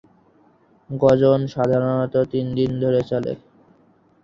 গাজন সাধারণত তিনদিন ধরে চলে।